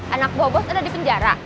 anak bawa bos ada di penjara